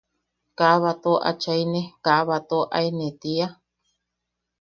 ¿Kaa bato achaine, kaa bato aene tia?